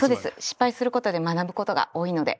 失敗することで学ぶことが多いので。